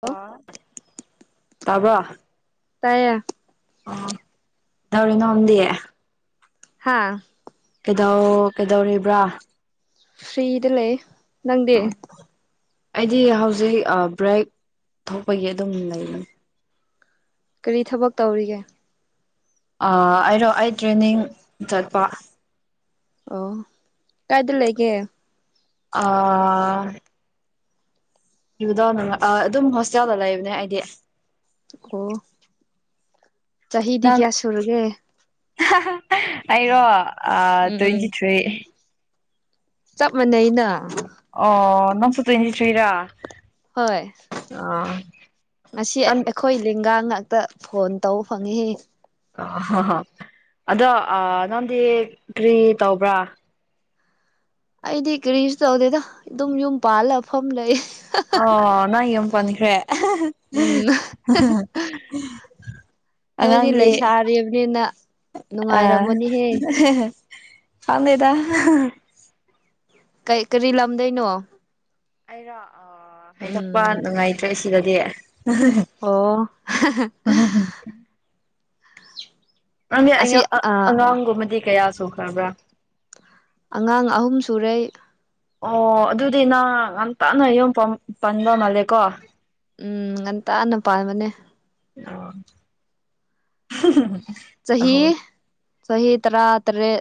Hello ꯂꯣ ꯇꯥꯕ꯭ꯔꯣ ꯇꯥꯏꯌꯦ ꯑꯣ ꯇꯧꯔꯤ ꯅꯣꯝꯗꯤ ꯍꯥꯥ ꯀꯩꯗꯧ ꯀꯩꯗꯧꯔꯤꯕ꯭ꯔꯥ ꯐ꯭ꯔꯤꯗ ꯂꯩ ꯅꯪꯗꯤ ꯑꯣ ꯑꯩꯗꯤ ꯍꯧꯖꯤꯛ ꯕ꯭ꯔꯦꯛ ꯊꯣꯛꯄꯒꯤ ꯑꯗꯨꯝ ꯂꯩ ꯀꯔꯤ ꯊꯕꯛ ꯇꯧꯔꯤꯒꯦ ꯑꯥ ꯑꯩꯔꯣ ꯑꯩ ꯇ꯭ꯔꯦꯅꯤꯡ ꯆꯠꯄ ꯑꯣ ꯀꯥꯏꯗ ꯂꯩꯒꯦ ꯑꯥ ꯑꯥ ꯏꯕꯨꯗꯣ ꯑꯗꯨꯝ ꯍꯣꯁꯇꯦꯜꯗ ꯂꯩꯕꯅꯦ ꯑꯩꯗꯤ ꯑꯣ ꯆꯍꯤꯗꯤ ꯅꯪ ꯀꯌꯥ ꯁꯨꯔꯒꯦ [unintelligible] ꯑꯩꯔꯣ ꯑꯥ ꯎꯝ ꯎꯝ ꯇ꯭ꯋꯦꯟꯇꯤ ꯊ꯭ꯔꯤ ꯆꯞ ꯃꯥꯟꯅꯩꯩꯅ ꯑꯣ ꯅꯪꯁꯨ ꯇ꯭ꯋꯦꯟꯇꯤ ꯊ꯭ꯔꯤꯔꯥ ꯍꯣꯏ ꯑꯁꯤ ꯑꯩꯈꯣꯏ ꯅꯪ ꯑꯩꯈꯣꯏ ꯂꯦꯡꯒꯥ ꯉꯥꯛꯇ ꯐꯣꯟ ꯇꯧꯕ ꯐꯪꯉꯦꯍꯦ ꯑ ꯍꯣ ꯍꯣ ꯑꯗꯣ ꯑꯥ ꯅꯪꯗꯤ ꯀꯔꯤ ꯇꯧꯕ꯭ꯔꯥ ꯑꯩꯗꯤ ꯀꯔꯤꯁꯨ ꯇꯧꯗꯦꯗ ꯑꯗꯨꯝ ꯌꯨꯝ ꯄꯥꯜꯂ ꯐꯝ ꯂꯩ [unintelligible] ꯑꯣ ꯅꯪ ꯌꯨꯝ ꯄꯟꯈ꯭ꯔꯦ ꯎꯝ [unintelligible] ꯅꯣꯏꯗꯤ ꯂꯩꯁꯥꯔꯤꯕꯅꯤꯅ ꯑꯥ ꯅꯨꯡꯉꯥꯏꯔꯝꯃꯅꯤꯍꯦ [unintelligible] ꯈꯪꯗꯦꯗ [unintelligible] ꯀꯩ ꯀꯔꯤ ꯂꯝꯗꯩꯅꯣ ꯑꯩꯔꯣ ꯑꯥ ꯍꯥꯏꯗꯣꯛꯄ ꯎꯝ ꯅꯨꯡꯉꯥꯏꯇ꯭ꯔꯦ ꯁꯤꯗꯗꯤ ꯑꯣ [unintelligible] ꯅꯪꯒꯤ ꯑꯁꯤ [unintelligible] ꯑꯉꯥꯡꯒꯨꯝꯕꯗꯤ ꯀꯌꯥ ꯁꯨꯈ꯭ꯔꯕ꯭ꯔꯥ ꯑꯉꯥꯡ ꯑꯍꯨꯝ ꯁꯨꯔꯦ ꯑꯩ ꯑꯣ ꯑꯗꯨꯗꯤ ꯅꯪ ꯉꯥꯟꯇꯅ ꯌꯨꯝ ꯄꯟ ꯄꯟꯕ ꯃꯥꯜꯂꯦꯀꯣ ꯎꯝ ꯉꯟꯇꯥꯅ ꯄꯥꯟꯕꯅꯦ ꯑꯣ [unintelligible] ꯆꯍꯤ ꯆꯍꯤ ꯇꯔꯥ ꯇꯔꯦꯠ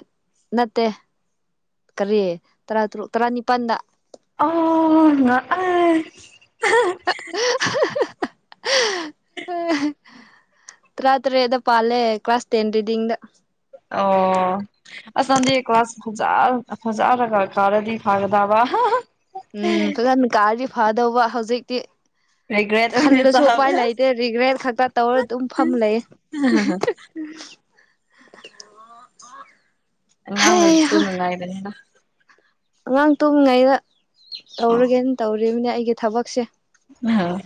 ꯅꯠꯇꯦ ꯀꯔꯤ ꯇꯔꯥ ꯇꯔꯨꯛ ꯇꯔꯥꯅꯤꯄꯥꯟꯗ ꯑꯥ ꯉꯛꯑꯦ [unintelligible] [unintelligible] ꯇꯔꯥ ꯇꯔꯦꯠꯗ ꯄꯥꯜꯂꯦ ꯀ꯭ꯂꯥꯁ ꯇꯦꯟꯗ ꯗꯤꯡꯗ ꯑꯣ ꯑꯁꯥ ꯅꯪꯗꯤ ꯀ꯭ꯂꯥꯁ ꯐꯖꯥ ꯐꯖꯥꯅꯒ ꯀꯔꯗꯤ ꯐꯥꯒꯗꯕ [unintelligible] ꯎꯝ ꯐꯖꯅ ꯀꯥꯔꯗꯤ ꯐꯥꯗꯧꯕ ꯍꯧꯖꯤꯛꯇꯤ ꯔꯤꯒ꯭ꯔꯦꯠ ꯑꯣꯏꯅ ꯈꯜꯂꯁꯨ ꯎꯄꯥꯏ ꯆꯥꯕ꯭ꯔꯥ ꯂꯩꯇꯦ ꯔꯤꯒ꯭ꯔꯦꯠ ꯈꯛꯇ ꯇꯧꯔ ꯑꯗꯨꯝ ꯐꯝ ꯂꯩꯌꯦ [unintelligible] ꯑꯣꯑꯣ ꯑꯉꯥꯡ ꯂꯩꯕꯁꯨ ꯅꯨꯡꯉꯥꯏꯕꯅꯤꯗ ꯑꯉꯥꯡ ꯇꯨꯝꯃꯤꯉꯩꯗ ꯇꯧꯔꯒꯦꯅ ꯇꯧꯔꯤꯕꯅꯤ ꯑꯩꯒꯤ ꯊꯕꯛꯁꯦ ꯑꯝ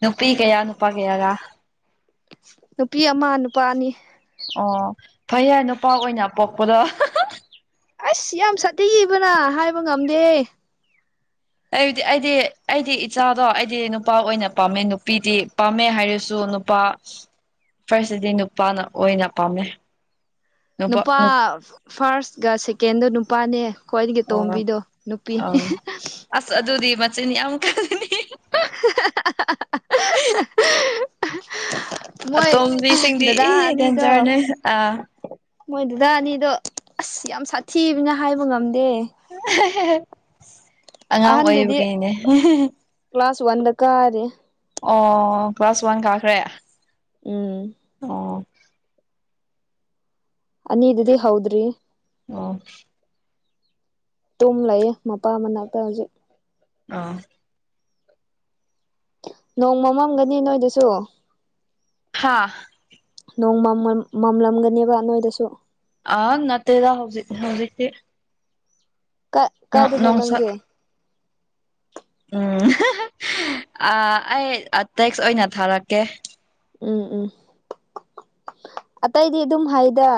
ꯅꯨꯄꯤ ꯀꯌꯥ ꯅꯨꯄꯥ ꯀꯌꯥꯔ ꯅꯨꯄꯤ ꯑꯃ ꯅꯨꯄꯥ ꯑꯅꯤ ꯑꯣ ꯐꯩꯌꯦ ꯅꯨꯄꯥ ꯑꯣꯏꯅ ꯄꯣꯛꯄꯗꯣ [unintelligible] ꯑꯁ ꯌꯥꯝ ꯁꯥꯠꯊꯤꯕꯅ ꯍꯥꯏꯕ ꯉꯝꯗꯦ ꯑꯩꯗꯤ ꯑꯩꯗꯤ ꯑꯩꯒꯤ ꯏꯆꯥꯗꯣ ꯑꯩꯗꯤ ꯅꯨꯄꯥ ꯑꯣꯏꯅ ꯄꯥꯝꯃꯦ ꯅꯨꯄꯤꯗꯤ ꯄꯥꯝꯃꯦ ꯍꯥꯏꯔꯁꯨ ꯅꯨꯄ ꯄꯥ ꯐꯔꯁꯇꯗꯤ ꯅꯨꯄꯥꯅ ꯑꯣꯏꯅ ꯄꯥꯝꯃꯦ꯫ ꯅꯨꯄꯥ.. ꯐꯔꯁꯒ ꯁꯦꯀꯦꯟꯗ ꯅꯨꯄꯥꯅꯦ꯫ ꯈ꯭ꯋꯥꯏꯗꯒꯤ ꯑꯣ ꯑꯇꯣꯝꯕꯤꯗꯣ ꯅꯨꯄꯤ ꯑꯪ [unintelligible] ꯑꯁ ꯑꯗꯨꯗꯤ ꯃꯆꯤꯟ ꯌꯥꯝ ꯀꯜꯂꯅꯤ꯫ [inaudible] ꯃꯣꯏ ꯑꯇꯣꯝꯕꯤꯁꯤꯡꯗꯤ ꯗꯗꯥ ꯏ ꯑꯅꯤꯗꯣ ꯗꯦꯟꯖꯔꯅꯦ ꯑꯥ ꯃꯣꯏ ꯗꯗꯥ ꯑꯅꯤꯗꯣ ꯑꯁ ꯌꯥꯝ ꯁꯥꯊꯤꯕꯅ ꯍꯥꯏꯕ ꯉꯝꯗꯦ ꯫ [unintelligible] ꯑꯉꯥꯡ ꯑꯍꯟꯗꯨꯗꯤ ꯑꯣꯏꯔꯤꯕꯒꯤ ꯅꯤꯅꯦ [unintelligible] ꯀ꯭ꯂꯥꯁ ꯋꯥꯟꯗ ꯀꯥꯔꯤ꯫ ꯑꯣ ꯀ꯭ꯂꯥꯁ ꯋꯥꯟ ꯀꯥꯈ꯭ꯔꯦ? ꯎꯝ ꯑꯣ ꯑꯅꯤ ꯗꯨꯗꯤ ꯍꯧꯗ꯭ꯔꯤ꯫ ꯑꯣ ꯇꯨꯝ ꯂꯩꯌꯦ ꯃꯄꯥ ꯃꯅꯥꯛꯇ ꯍꯧꯖꯤꯛ꯫ ꯑꯧ ꯅꯣꯡ ꯃꯝꯃꯝꯒꯅꯤ ꯅꯣꯏꯗꯁꯨ꯫ ꯍꯥꯥ? ꯅꯣꯡ ꯃꯝꯃꯝ ꯃꯝꯂꯝꯒꯅꯤꯕ ꯅꯣꯏꯗꯁꯨ꯫ ꯑꯥ ꯅꯠꯇꯦꯗ ꯍꯧꯖꯤꯛ ꯍꯧꯖꯤꯛꯇꯤ꯫ ꯀꯥꯢ ꯀꯥꯏꯗꯅꯣ ꯅꯣꯡꯁꯛ ꯅꯪꯗꯤ? ꯎꯝ [unintelligible] ꯑꯥ ꯑꯩ ꯇꯦꯛꯁ ꯑꯣꯏꯅ ꯊꯥꯔꯛꯀꯦ꯫ ꯎꯝ ꯎꯝ ꯑꯇꯩꯗꯤ ꯑꯗꯨꯝ ꯍꯥꯏꯗ꯫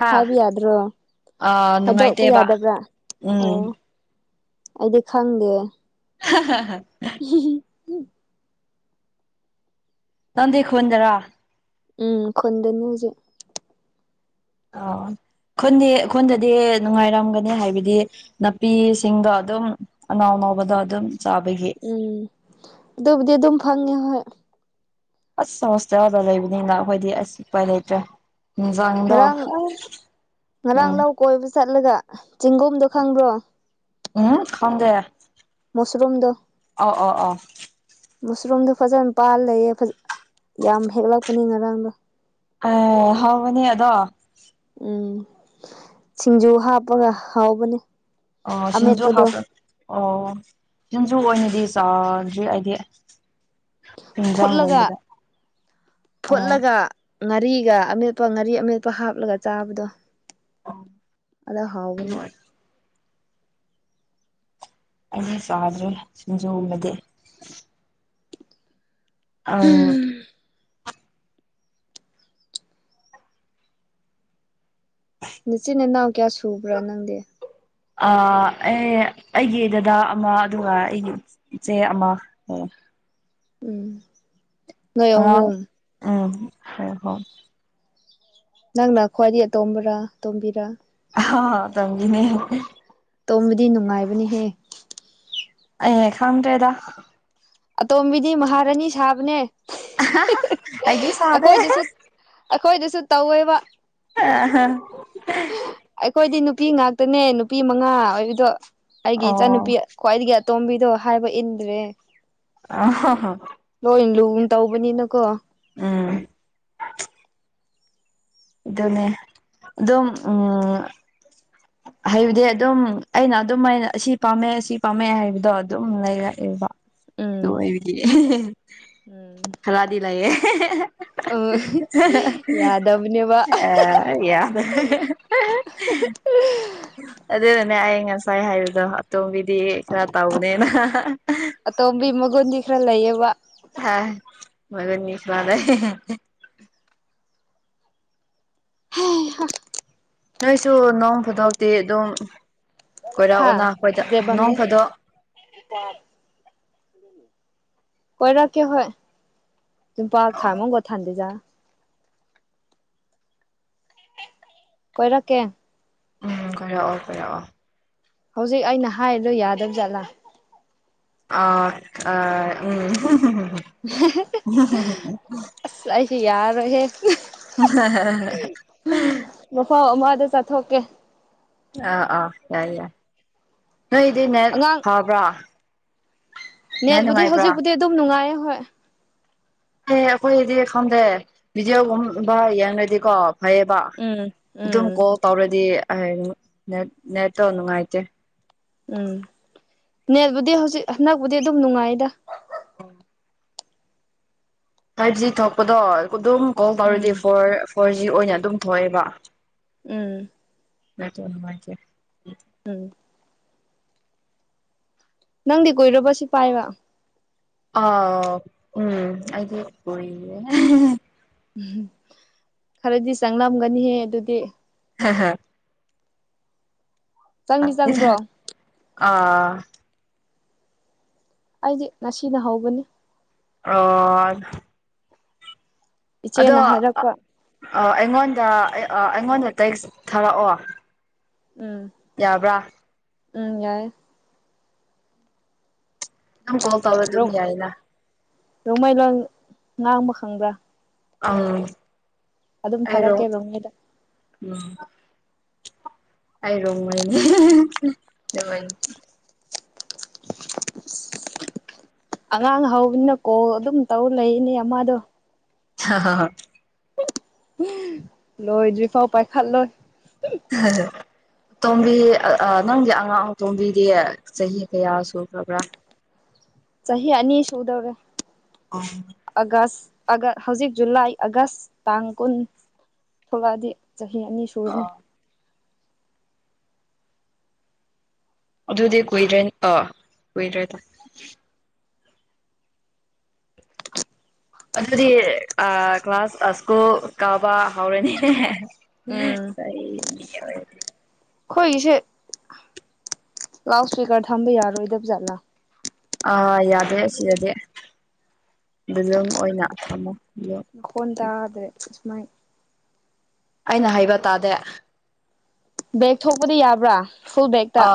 ꯍꯥ ꯍꯥꯏꯕ ꯌꯥꯗ꯭ꯔꯣ? ꯑ ꯍꯥꯏꯗꯣꯛꯄ ꯅꯨꯡꯉꯥꯏꯇꯦꯕ ꯌꯥꯗꯕ꯭ꯔꯥ? ꯎꯝ ꯑꯣ ꯑꯩꯗꯤ ꯈꯪꯗꯦ꯫ ꯍ ꯍꯥ ꯍꯥ [inaudible] ꯅꯪꯗꯤ ꯈꯨꯟꯗꯔꯥ? ꯎꯝ ꯈꯨꯟꯗꯅꯤ ꯍꯨꯖꯤꯛ꯫ [unintelligible] ꯈꯨꯟꯗꯤ ꯈꯨꯟꯗꯗꯤ ꯅꯨꯡꯉꯥꯏꯔꯝꯒꯅꯤ ꯍꯥꯏꯕꯗꯤ ꯅꯥꯄꯤꯁꯤꯡꯗꯣ ꯑꯗꯨꯝ ꯑꯅꯧ ꯑꯅꯧꯕꯗꯣ ꯑꯗꯨꯝ ꯆꯥꯕꯒꯤ꯫ ꯎꯝ ꯑꯗꯨꯕꯨꯗꯤ ꯑꯗꯨꯝ ꯐꯪꯉꯦ ꯍꯣꯏ꯫ ꯑꯁ ꯍꯣꯁꯇꯦꯜꯗ ꯂꯩꯕꯅꯤꯅ ꯑꯈꯣꯏꯗꯤ ꯑꯁ ꯎꯄꯥꯏ ꯂꯩꯇ꯭ꯔꯦ꯫ ꯍꯤꯡꯖꯥꯡꯗꯣ ꯉꯔꯥꯡ ꯉꯔꯥꯡ ꯎꯝ ꯂꯧ ꯀꯣꯏꯕ ꯆꯠꯂꯒ, ꯆꯤꯡꯒꯨꯝꯗꯣ ꯈꯪꯕ꯭ꯔꯣ? ꯎꯝ, ꯈꯪꯗꯦ꯫ ꯃꯣꯁꯔꯨꯝꯗꯣ꯫ ꯑꯧ ꯑꯧ ꯑꯧ ꯃꯣꯁꯔꯨꯝꯗꯣ ꯐꯖꯅ ꯄꯥꯜ ꯂꯩꯌꯦ ꯐꯖ ꯌꯥꯝ ꯍꯦꯛꯂꯛꯄꯅꯤ ꯉꯔꯥꯡꯗꯣ꯫ [unintelligible] ꯍꯥꯎꯕꯅꯤ ꯑꯗꯣ꯫ ꯎꯝ ꯁꯤꯡꯖꯨ ꯍꯥꯞꯄꯒ ꯍꯥꯎꯕꯅꯦ꯫ ꯑꯣ ꯁꯤꯡꯖꯨ ꯑꯃꯦꯠꯄꯗꯣ ꯍꯥꯞꯔ ꯑꯣ ꯁꯤꯡꯖꯨ ꯑꯣꯏꯅꯗꯤ ꯆꯥꯗ꯭ꯔꯤ ꯑꯩꯗꯤ꯫ ꯐꯨꯠꯂꯒ ꯏꯟꯖꯥꯡꯒꯨꯝꯕꯗ ꯑꯣ ꯐꯨꯠꯂꯒ ꯉꯥꯔꯤꯒ ꯑꯃꯦꯠꯄ ꯉꯥꯔꯤ ꯑꯃꯦꯠꯄ ꯍꯥꯞꯂꯒ ꯆꯥꯕꯗꯣ꯫ ꯑꯗꯣ ꯍꯥꯎꯕꯅꯤ ꯑꯩꯗꯤ ꯆꯥꯗ꯭ꯔꯦ ꯁꯤꯡꯖꯨꯒꯨꯝꯕꯗꯤ꯫ ꯑꯧꯡ ꯅꯆꯤꯟ ꯅꯅꯥꯎ ꯀꯌꯥ ꯁꯨꯕ꯭ꯔꯥ ꯅꯪꯗꯤ ꯑꯥ ꯑꯩ ꯑꯩꯒꯤ ꯗꯗꯥ ꯑꯃ ꯑꯗꯨꯒ ꯑꯩꯒꯤ ꯏꯆꯦ ꯑꯃ ꯂꯩ ꯎꯝ ꯅꯣꯏ ꯑꯉꯥꯡ ꯑꯍꯨꯝ ꯎꯝ ꯍꯣ ꯍꯣ ꯅꯪꯅ ꯈ꯭ꯋꯥꯏꯗꯒꯤ ꯑꯇꯣꯝꯕꯔꯥ ꯇꯣꯝꯕꯤꯔꯥ ꯑꯍꯥ ꯑꯇꯣꯝꯕꯤꯅꯦ ꯇꯣꯝꯕꯗꯤ ꯅꯨꯡꯉꯥꯏꯕꯅꯤꯍꯦ ꯑꯩ ꯍꯦꯛ ꯈꯡꯗ꯭ꯔꯦꯗ ꯑꯇꯣꯝꯕꯤꯗꯤ ꯃꯍꯥꯔꯥꯅꯤ ꯁꯥꯕꯅꯦ ꯑꯩꯗꯤ ꯁꯥꯗꯦ ꯑꯩꯈꯣꯏꯗꯨꯁꯨ ꯇꯧꯋꯦꯕ꯫ ꯑꯥ ꯍꯥ ꯑꯩꯈꯣꯏꯗꯤ ꯅꯨꯄꯤ ꯉꯥꯛꯇꯅꯦ ꯅꯨꯄꯤ ꯃꯉꯥ ꯑꯣꯏꯕꯗꯣ ꯑꯩꯒꯤ ꯏꯆꯟꯅꯨꯨꯄꯤ꯫ ꯑꯣ ꯈ꯭ꯋꯥꯏꯗꯒꯤ ꯑꯇꯣꯝꯕꯤꯗꯣ ꯍꯥꯏꯕ ꯏꯟꯗ꯭ꯔꯦ꯫ ꯑꯥ ꯍꯣ ꯍꯣ ꯂꯣꯏꯟ ꯂꯨꯅ ꯇꯧꯕꯅꯤꯅꯀꯣ꯫ ꯎꯝ ꯗꯨꯅꯦ ꯑꯗꯨꯝ ꯎꯝ ꯍꯥꯏꯕꯗꯤ ꯑꯗꯨꯝ ꯑꯩꯅ ꯑꯗꯨꯝꯃꯥꯏꯅ ꯑꯁꯤ ꯄꯥꯝꯃꯦ ꯑꯁꯤ ꯄꯥꯝꯃꯦ ꯍꯥꯏꯕꯗꯣ ꯑꯗꯨꯝ ꯂꯩꯔꯛꯑꯦꯕ꯫ ꯑꯗꯨ ꯎꯝ ꯑꯣꯏꯕꯗꯤ ꯎꯝ ꯈꯔꯥꯗꯤ ꯂꯩꯌꯦ ꯑ ꯌꯥꯗꯕꯅꯦꯕ ꯫ ꯑ ꯌꯥꯝ [unintelligible] ꯑꯗꯨꯅꯅꯦ ꯑꯩ ꯉꯁꯥꯏ ꯍꯥꯏꯕꯗꯣ ꯑꯇꯣꯝꯕꯤꯗꯤ ꯈꯔ ꯇꯧꯕꯅꯦꯅ ꯑꯇꯣꯝꯕꯤ ꯃꯒꯨꯟꯗꯤ ꯈꯔ ꯂꯩꯌꯦꯕ ꯍꯥ ꯃꯒꯨꯟꯗꯤ ꯈꯔ ꯂꯩ꯫ ꯍꯩꯍꯥ ꯅꯣꯏꯁꯨ ꯅꯣꯡ ꯐꯥꯗꯣꯛꯇꯤ ꯑꯗꯨꯝ ꯀꯣꯏꯔꯛꯑꯣꯅ ꯑꯩꯈꯣꯏꯗ ꯅꯣꯡ ꯐꯥꯗꯣꯛ꯫ ꯏ [unintelligible] ꯀꯣꯏꯔꯛꯀꯦ ꯍꯣꯏ ꯇꯨꯡꯄꯥ ꯈꯥꯃꯣꯒꯣ ꯊꯥꯟꯗꯤꯖꯥ [unintelligible] ꯀꯣꯏꯔꯛꯀꯦ ꯎꯝ ꯀꯣꯏꯔꯛꯑꯣ ꯀꯣꯏꯔꯛꯑꯣ ꯍꯧꯖꯤꯛ ꯑꯩꯅ ꯍꯥꯏꯔꯤꯗꯣ ꯌꯥꯗꯕ ꯖꯥꯠꯂꯥ ꯑ ꯑ ꯎꯝ ꯁꯤ ꯑꯩꯥꯁꯨ ꯌꯥꯔꯔꯣꯏꯍꯦ ꯃꯐꯝ ꯑꯃꯗ ꯆꯠꯊꯣꯛꯀꯦ ꯑꯥ ꯑꯥ ꯌꯥꯏ ꯌꯥꯏ ꯅꯣꯏꯗꯤ ꯅꯦꯠ ꯑꯉꯥꯡ ꯐꯥꯎꯕ꯭ꯔꯥ ꯅꯦꯠꯕꯨꯗꯤ ꯍꯧꯖꯤꯛꯄꯨꯗꯤ ꯑꯗꯨꯝ ꯅꯨꯡꯉꯥꯏꯌꯦ ꯍꯣꯏ ꯑꯦ ꯑꯩꯈꯣꯏꯗꯤ ꯈꯪꯗꯦ ꯚꯗꯤꯑꯣꯒꯨꯝꯕ ꯌꯦꯡꯔꯗꯤꯀꯣ ꯐꯩꯌꯦꯕ ꯎꯝ ꯎꯝ ꯑꯗꯨꯝ ꯀꯣꯜ ꯇꯧꯔꯗꯤ ꯑꯥꯏ ꯅꯦ ꯅꯦꯠꯇꯣ ꯅꯨꯡꯉꯥꯏꯇꯦ ꯎꯝ ꯅꯦꯠꯕꯨꯗꯤ ꯍꯧꯖꯤꯛ ꯍꯟꯗꯛꯄꯨꯗꯤ ꯑꯗꯨꯝ ꯅꯨꯡꯉꯥꯏꯗ [inaudible] ꯐꯥꯏꯚ ꯖꯤ ꯊꯣꯛꯄꯗꯣ ꯑꯗꯨꯝ ꯀꯣꯜ ꯇꯧꯔꯗꯤ ꯎꯝ ꯐꯣꯔ ꯐꯣꯔ ꯖꯤ ꯑꯣꯏꯅ ꯗꯨꯝ ꯊꯣꯛꯑꯦꯕ ꯎꯝ ꯅꯥꯇꯣꯟ ꯅꯨꯡꯉꯥꯏꯇꯦ ꯎꯝ ꯅꯪꯗꯤ ꯀꯨꯏꯔꯕ ꯁꯤ ꯄꯥꯏꯕ ꯑ ꯎꯝ ꯑꯩꯗꯤ ꯀꯨꯏꯔꯦ ꯈꯔꯗꯤ ꯆꯪꯂꯝꯒꯅꯤꯍꯦ ꯑꯗꯨꯗꯤ ꯍꯥ ꯍꯥ ꯆꯪꯗꯤ ꯆꯪꯕ꯭ꯔꯣ ꯈꯪꯗꯦꯗ ꯑꯥ ꯑꯩꯗꯤ ꯉꯁꯤꯅ ꯍꯧꯕꯅꯤ ꯑꯣ ꯑꯗꯣ ꯏꯆꯦꯅ ꯍꯥꯏꯔꯛꯄ ꯑꯩꯉꯣꯟꯗ ꯑꯩꯉꯣꯟꯗ ꯇꯦꯛ ꯊꯥꯔꯛꯑꯣ ꯎꯝ ꯌꯥꯕ꯭ꯔꯥ ꯎꯝ ꯌꯥꯌꯦ ꯅꯝ ꯀꯣꯜ ꯇꯧꯔ ꯑꯗꯨꯝ ꯌꯥꯏꯅ ꯔꯣꯡꯃꯩ ꯂꯣꯟ ꯉꯥꯡꯕ ꯈꯪꯕ꯭ꯔꯥ ꯑꯥ ꯑꯗꯨꯝ ꯊꯥꯔꯛꯀꯦ ꯔꯣꯡꯃꯩꯗ ꯎꯝ ꯑꯩ ꯔꯣꯡꯃꯩꯅꯦ ꯑꯉꯥꯡ ꯍꯧꯕꯅꯤꯅ ꯀꯣꯜ ꯑꯗꯨꯝ ꯇꯧ ꯂꯩꯅꯦ ꯑꯃꯗꯣ [unintelligible] [unintelligible] ꯂꯣꯏꯗ꯭ꯔꯤꯐꯥꯎ ꯄꯥꯏꯈꯠꯂꯣꯏ [unintelligible] ꯇꯣꯝꯕꯤ ꯑ ꯅꯪꯒꯤ ꯑꯉꯥꯡ ꯑꯇꯣꯝꯕꯤꯗꯤ ꯆꯍꯤ ꯀꯌꯥ ꯁꯨꯈ꯭ꯔꯕ꯭ꯔꯥ ꯆꯍꯤ ꯑꯅꯤ ꯁꯨꯗꯧꯔꯦ ꯑꯣ ꯑꯒꯁ ꯑꯒ ꯍꯧꯖꯤꯛ ꯖꯨꯂꯥꯏ ꯑꯥꯒꯁ ꯇꯥꯡ ꯀꯨꯟ ꯊꯣꯛꯂꯛꯑꯗꯤ ꯆꯍꯤ ꯑꯅꯤ ꯁꯨ ꯑꯣ ꯑꯗꯨꯗꯤ ꯀꯨꯏꯗ꯭ꯔꯦ ꯑꯥ ꯀꯨꯏꯗ꯭ꯔꯦ ꯇ ꯑꯗꯨꯗꯤ ꯑ ꯀ꯭ꯂꯥꯁ ꯁ꯭ꯀꯨꯜ ꯀꯥꯕ ꯍꯧꯔꯅꯤ ꯎꯝ [unintelligible] ꯑꯩꯈꯣꯏꯒꯤꯁꯦ ꯂꯥꯎꯠ ꯏꯁꯄꯤꯀꯔ ꯊꯝꯕ ꯌꯥꯔꯣꯏꯗꯕ ꯖꯥꯠꯂꯥ ꯑꯥ ꯌꯥꯗꯦ ꯑꯁꯤꯗꯗꯤ ꯑꯗꯨ ꯑꯗꯨꯝ ꯑꯣꯏꯅ ꯊꯝꯃꯣ ꯃꯈꯣꯟ ꯇꯥꯗ꯭ꯔꯦ ꯁꯨꯃꯥꯏꯅ ꯑꯩꯅ ꯍꯥꯏꯕ ꯇꯥꯗꯦ ꯕꯦꯛ ꯊꯣꯛꯄꯗꯤ ꯌꯥꯕ꯭ꯔꯥ ꯐꯨꯜ ꯕꯦꯛꯇ ꯑ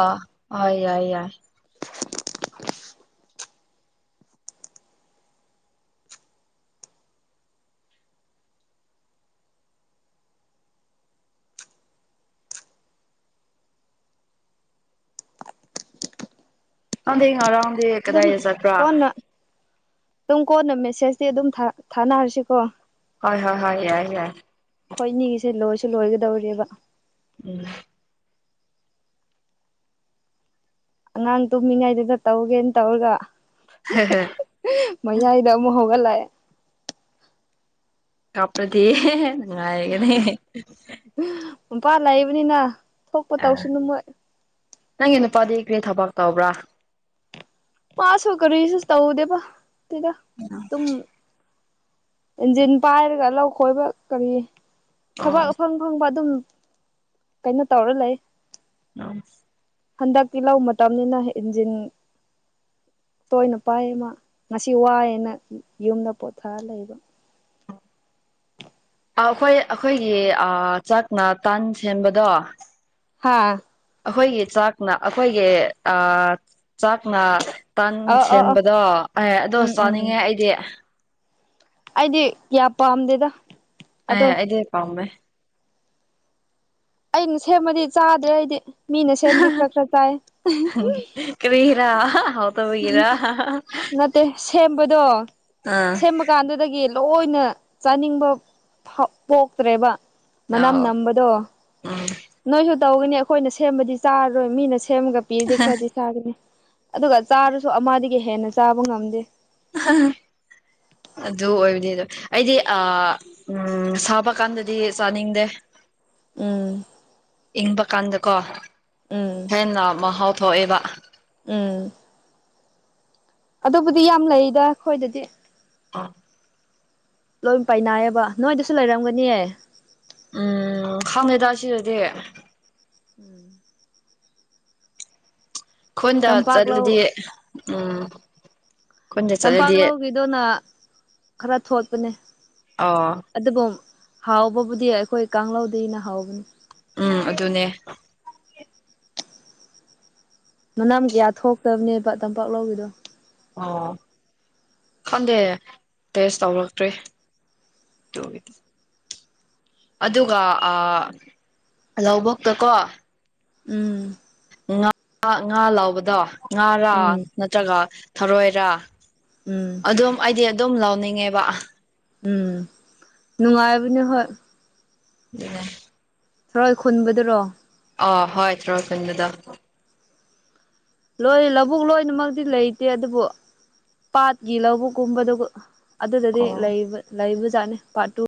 ꯍꯣꯏ ꯌꯥꯏ ꯌꯥꯏ [inaudible] ꯅꯪꯗꯤ ꯉꯔꯥꯡꯗꯤ ꯀꯗꯥꯏꯗ ꯆꯠꯄ꯭ꯔꯥ ꯇꯨꯝ ꯀꯣꯟꯅ ꯃꯦꯁꯦꯖꯇꯤ ꯑꯗꯨꯝ ꯊꯥꯅ ꯊꯥꯅꯔꯁꯤꯀꯣ ꯍꯣꯏ ꯍꯣꯏ ꯍꯣꯏ ꯌꯥꯏ ꯌꯥꯏ ꯈꯣꯏꯅꯤꯒꯤꯁꯦ ꯂꯣꯏꯁꯨ ꯂꯣꯏꯒꯗꯧꯔꯤꯕ ꯎꯝ ꯑꯉꯥꯡ ꯇꯨꯝꯃꯤꯉꯩꯗꯒ ꯇꯧꯒꯦꯅ ꯇꯧꯔꯒ [unintelligible] ꯃꯩꯌꯥꯏꯗ ꯑꯃꯨꯛ ꯍꯧꯒꯠꯂꯛꯑꯦ꯫ ꯀꯥꯞꯄ꯭ꯔꯗꯤ ꯅꯨꯡꯉꯥꯏꯒꯅꯤ꯫ ꯄꯨꯝꯄꯥ ꯂꯩꯕꯅꯤꯅ ꯊꯣꯛꯄ ꯑ ꯇꯧꯁꯅꯨ ꯃꯣꯏ꯫ ꯅꯪꯒꯤ ꯅꯨꯄꯥꯗꯤ ꯀ꯭ꯔꯤ ꯊꯕꯛ ꯇꯧꯕ꯭ꯔꯥ꯫ ꯄꯥꯁꯨ ꯀꯔꯤꯁꯨ ꯇꯧꯗꯦꯕ ꯇꯦꯗ ꯇꯨꯝ ꯏꯟꯖꯤꯟ ꯄꯥꯏꯔꯒ ꯂꯧ ꯈꯣꯏꯕ ꯀꯔꯤ ꯑꯣ ꯊꯕꯛ ꯑꯐꯪ ꯑꯐꯪꯕ ꯑꯗꯨꯝ ꯀꯩꯅꯣ ꯇꯧꯔ ꯂꯩ꯫ [inaudible] ꯍꯟꯗꯛꯇꯤ ꯂꯧ ꯃꯇꯝꯅꯤꯅ ꯏꯟꯖꯤꯟ ꯇꯣꯏꯅ ꯄꯥꯏ ꯃꯥ ꯉꯁꯤ ꯋꯥꯏꯌꯦꯅ ꯌꯨꯝꯗ ꯄꯣꯊꯥꯔ ꯂꯩꯕ꯫ ꯑ ꯑꯩꯈꯣꯏ ꯑꯩꯈꯣꯏꯒꯤ ꯑ ꯆꯥꯛꯅ ꯇꯟ ꯁꯦꯝꯕꯗꯣ꯫ ꯍꯥꯥ꯫ ꯑꯩꯈꯣꯏꯒꯤ ꯆꯥꯛꯅ ꯑꯩꯈꯣꯏꯒꯤ ꯑ ꯆꯥꯛꯅ ꯇꯟ ꯑꯥ ꯑꯥ ꯑꯥ ꯁꯦꯟꯕꯗꯣ ꯑꯦ ꯑꯗꯣ ꯎꯝ ꯎꯝ ꯎꯝ ꯆꯥꯅꯤꯡꯉꯦ ꯑꯩꯗꯤ꯫ ꯑꯩꯗꯤ ꯀꯌꯥ ꯄꯥꯝꯗꯦꯗ꯫ ꯑꯦ ꯑꯗꯣ ꯑꯩꯗꯤ ꯄꯥꯝꯃꯦ꯫ ꯑꯩꯅ ꯁꯦꯝꯕꯗꯤ ꯆꯥꯗ꯭ꯔꯦ ꯑꯩꯗꯤ ꯃꯤꯅ ꯁꯦꯝꯕꯗꯤ ꯈꯔ ꯈꯔ ꯆꯥꯏꯌꯦ꯫ ꯀꯔꯤꯒꯤꯔꯥ ꯍꯥꯎ ꯅꯠꯇꯦ ꯁꯦꯝꯕꯗꯣ ꯑꯥ ꯁꯦꯝꯕ ꯀꯥꯟꯗꯨꯗꯒꯤ ꯂꯣꯏꯅ ꯆꯥꯅꯤꯡꯕ ꯐꯥꯎ ꯄꯣꯛꯇ꯭ꯔꯦꯕ꯫ ꯃꯅꯝ ꯑꯥꯎ ꯅꯝꯕꯗꯣ ꯎꯝ ꯅꯣꯏꯁꯨ ꯇꯧꯒꯅꯤ ꯑꯩꯈꯣꯏꯅ ꯁꯦꯝꯕꯗꯤ ꯆꯥꯔꯔꯣꯏ ꯃꯤꯅ ꯁꯦꯝꯒ ꯄꯤꯔꯗꯤ ꯈꯔꯗꯤ ꯆꯥꯒꯅꯤ ꯑꯗꯨꯒ ꯆꯥꯔꯁꯨ ꯑꯃꯗꯒꯤ ꯍꯦꯟꯅ ꯆꯥꯕ ꯉꯝꯗꯦ꯫ ꯑꯗꯨ ꯑꯣꯏꯕꯅꯤꯗ ꯑꯩꯗꯤ ꯑ ꯎꯝ ꯁꯥꯕ ꯀꯥꯟꯗꯗꯤ ꯆꯥꯅꯤꯡꯗꯦ꯫ ꯎꯝ꯫ ꯏꯪꯕ ꯀꯥꯟꯗꯀꯣ꯫ ꯎꯝ꯫ ꯍꯦꯟꯅ ꯃꯍꯥꯎ ꯊꯣꯛꯑꯦꯕ꯫ ꯎꯝ꯫ ꯑꯗꯨꯕꯨꯗꯤ ꯌꯥꯝ ꯂꯩꯗ ꯈꯣꯏꯗꯗꯤ꯫ [inaudible] ꯂꯣꯏ ꯄꯥꯏꯅꯥꯏꯌꯦꯕ ꯅꯣꯏꯗꯁꯨ ꯂꯩꯔꯝꯒꯅꯤ꯫ ꯎꯝ ꯈꯪꯗꯦꯗ ꯑꯁꯤꯗꯗꯤ꯫ ꯎꯝ꯫ ꯈꯨꯟꯗ ꯇꯝꯄꯥꯛ ꯂꯧ ꯆꯠꯂꯗꯤ ꯎꯝ꯫ ꯈꯨꯟꯗ ꯇꯝꯄꯥꯛ ꯆꯠꯂꯗꯤ ꯂꯧꯒꯤꯗꯨꯅ ꯈꯔ ꯊꯣꯠꯄꯅꯦ꯫ ꯑꯣ꯫ ꯑꯗꯨꯒꯨꯝ ꯍꯥꯎꯕꯕꯨꯗꯤ ꯑꯩꯈꯣꯏ ꯀꯥꯡꯂꯧꯗꯩꯅ ꯍꯥꯎꯕꯅꯤ꯫ ꯎꯝ ꯑꯗꯨꯅꯦ꯫ ꯃꯅꯝ ꯀꯌꯥ ꯊꯣꯛꯇꯕꯅꯦꯕ ꯇꯝꯄꯥꯛ ꯂꯧꯒꯤꯗꯣ꯫ ꯑꯣ ꯈꯪꯗꯦ ꯇꯦꯁ ꯇꯧꯔꯛꯇ꯭ꯔꯤ꯫ ꯇꯨꯒꯤ꯫ ꯑꯗꯨꯒ ꯑꯥ ꯂꯧꯕꯨꯛꯇꯀꯣ꯫ ꯎꯝ꯫ ꯉꯥ ꯉꯥ ꯂꯧꯕꯗꯣ ꯉꯥꯔꯥ ꯎꯝ ꯅꯠꯇ꯭ꯔꯥꯒ ꯊꯔꯣꯏꯔꯥ ꯎꯝ ꯑꯗꯣꯝ ꯑꯩꯗꯤ ꯑꯗꯨꯝ ꯂꯧꯅꯤꯡꯉꯦꯕ ꯎꯝ ꯅꯨꯡꯉꯥꯏꯕꯅꯦ ꯍꯣꯏ [unintelligible] ꯍꯣꯏ ꯈꯨꯟꯕꯗꯨꯔꯣ ꯑꯥ ꯍꯣꯏ ꯊꯔꯣꯏ ꯈꯨꯟꯕꯗꯣ ꯂꯣꯏ ꯂꯧꯕꯨꯛ ꯂꯣꯏꯅꯃꯛꯇꯤ ꯂꯩꯇꯦ ꯑꯗꯨꯕꯨ ꯄꯥꯠꯀꯤ ꯂꯧꯕꯨꯛꯀꯨꯝꯕꯗꯨ ꯑꯗꯨꯗꯗꯤ ꯑꯣ ꯂꯩꯕ ꯂꯩꯕꯖꯥꯠꯅꯤ ꯄꯥꯔꯠ ꯇꯨ